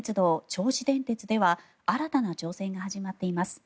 銚子電鉄では新たな挑戦が始まっています。